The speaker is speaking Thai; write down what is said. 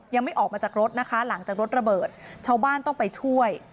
ยังไม่ออกมาจากรถนะคะหลังจากรถระเบิดชาวบ้านต้องไปช่วย